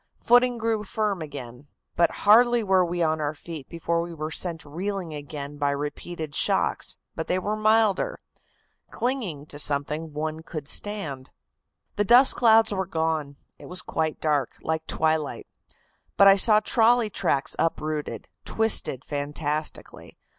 Footing grew firm again, but hardly were we on our feet before we were sent reeling again by repeated shocks, but they were milder. Clinging to something, one could stand. "The dust clouds were gone. It was quite dark, like twilight. But I saw trolley tracks uprooted, twisted fantastically.